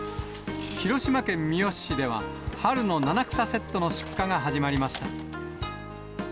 広島県三次市では、春の七草セットの出荷が始まりました。